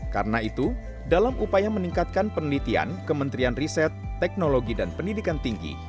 karena itu dalam upaya meningkatkan penelitian kementerian riset teknologi dan pendidikan tinggi